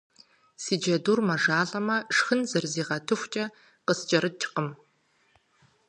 Си джэдур мэжалӏэмэ шхын зыризыгъэтыхукӏэ къыскӏэрыкӏкъым.